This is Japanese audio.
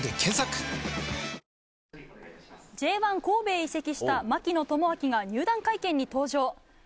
神戸に移籍した槙野智章が入団会見に登場。